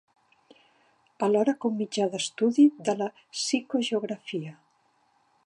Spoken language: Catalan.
Alhora que un mitjà d'estudi de la psicogeografia.